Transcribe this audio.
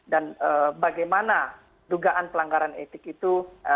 dan bagaimana dugaan pelanggaran etik itu